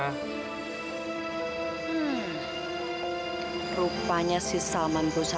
hmm rupanya si salman berusaha